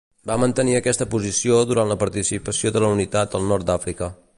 Va mantenir aquesta posició durant la participació de la unitat al Nord d'Àfrica.